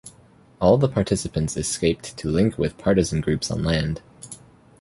All the participants escaped to link with partisan groups on land.